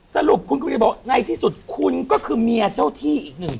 สรุปคุณก็เลยบอกในที่สุดคุณก็คือเมียเจ้าที่อีกหนึ่ง